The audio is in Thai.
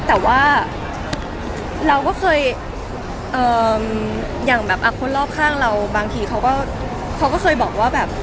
แต่ว่าเราก็เคยอย่างแบบคนรอบข้างเราบางทีเขาก็เคยบอกว่าแบบ